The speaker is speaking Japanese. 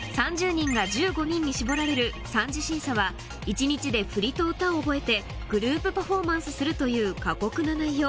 人が１５人に絞られる３次審査は一日で振りと歌を覚えてグループパフォーマンスするという過酷な内容